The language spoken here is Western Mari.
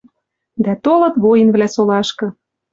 Дӓ толыт воинвлӓ солашкы